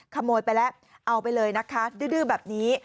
ขโมยไปแล้วเอาไปเลยนะคะดื้อแบบนี้